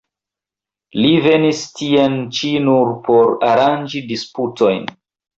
Li venis tien ĉi nur por aranĝi disputojn.